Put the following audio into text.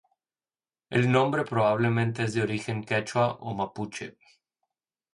El nombre probablemente es de origen Quechua o mapuche.